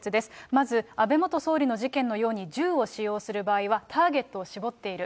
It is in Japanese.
まず安倍元総理の事件のときのように銃を使用する場合はターゲットを絞っている。